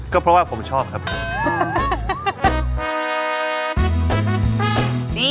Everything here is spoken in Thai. ก็เพราะว่าผมชอบครับ